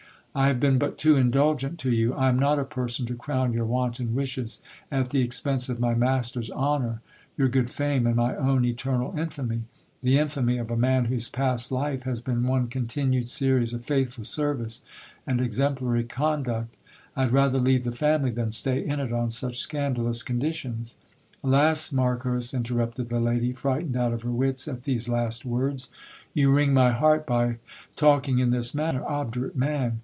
I have been but too indulgent to you. I am not a person to crown your wanton wishes at the expense of my master's honour, your good fame, and my own eternal infamy ; the infamy of a man whose past life has been one continued series of faithful service and ex emplary conduct. I had rather leave the family than stay in it on such scandal ous conditions. Alas ! Marcos, interrupted the lady, frightened out of her wits at these last words, you wring my heart by talking in this manner. Obdurate man